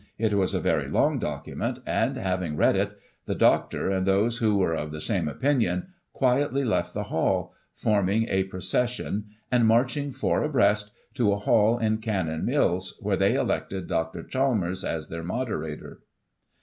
It was a very long document, and having read it, the Doctor, and those who were of the same opinion, quietly left the Hall, forming a procession and marching four abreast, to a Hall in Canon mills, where they elected Dr. Chalmers as their Moderator.